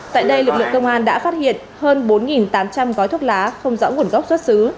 tại đây lực lượng công an đã phát hiện hơn bốn tám trăm linh gói thuốc lá không rõ nguồn gốc xuất xứ